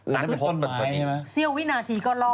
นัดพบเสี่ยววินาทีก็รอบ